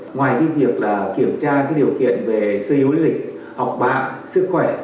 ngoài việc kiểm tra điều kiện về sưu yếu lịch học bạ sức khỏe